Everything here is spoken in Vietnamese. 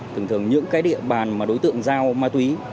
thường thường những cái địa bàn mà đối tượng giao ma túy